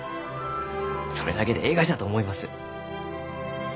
それだけでえいがじゃと思います。